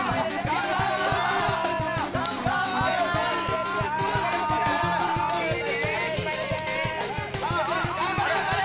頑張れ頑張れ！